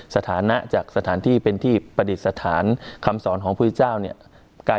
สถานะจากสถานที่เป็นที่ประดิษฐานคำสอนของพุทธเจ้าเนี่ย